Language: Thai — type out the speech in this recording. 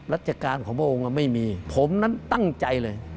ราชการของพระองค์ไม่มีผมนั้นตั้งใจเลย